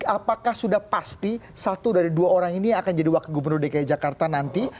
apakah sudah pasti satu dari dua orang ini yang akan jadi wakil gubernur dki jakarta nanti